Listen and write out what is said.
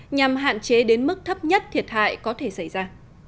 nhằm hạn chế đến mức thấp nhất thiệt hại có thể xảy ra